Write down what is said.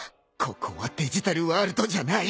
ここはデジタルワールドじゃない。